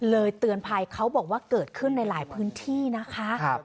เตือนภัยเขาบอกว่าเกิดขึ้นในหลายพื้นที่นะคะ